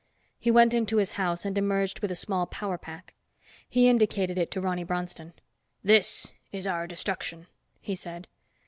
He went into his house and emerged with a small power pack. He indicated it to Ronny Bronston. "This is our destruction," he said.